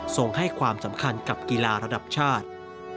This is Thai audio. ส่งให้ความสำคัญกับกีฬาระดับชาติ